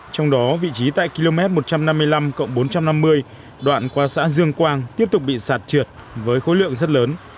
trong đó vị trí tại km một trăm năm mươi năm bốn trăm năm mươi đoạn qua xã dương quang tiếp tục bị sạt trượt với khối lượng rất lớn